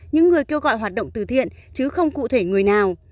những người kêu gọi hoạt động từ thiện chứ không cụ thể người nào